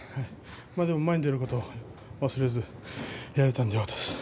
でも前へ出ることを忘れずやれたのでよかったです。